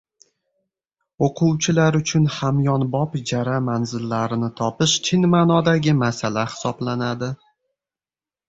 O'quvchilar uchun hamyonbop ijara manzillarini topish chin ma'nodagi masala hisoblanadi.